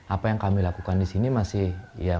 apa yang kami lakukan di sini masih ya